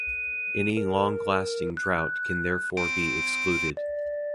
Any long-lasting drought can therefore be excluded.